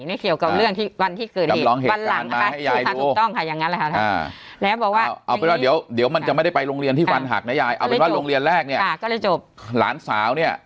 ในเกี่ยวกับวันที่เกิดเหตุวันหลังซื้อความถูกต้องค่ะอย่างงั้น